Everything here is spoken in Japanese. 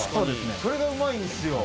それがうまいんすよ。